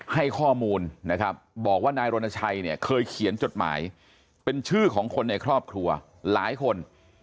ให้ข้อมูลนะครับบอกว่านายรณชัยเนี่ยเคยเขียนจดหมายเป็นชื่อของคนในครอบครัวหลายคน